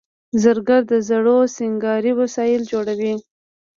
زرګر د زرو سینګاري وسایل جوړوي